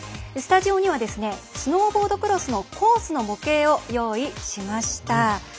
スタジオにはスノーボードクロスのコースの模型を用意しました。